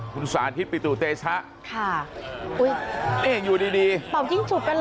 คุณสาธิตปิตุเตชะค่ะอุ้ยนี่อยู่ดีดีตอบยิ่งฉุดกันเหรอ